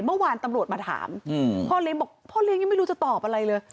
ทุกวันตำรวจมาถามพ่อเลี้ยงยังไม่รู้จะตอบอะไรเลย